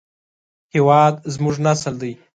هېواد زموږ نسل دی